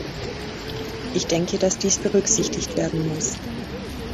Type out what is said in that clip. Ich denke, dass dies berücksichtigt werden muss.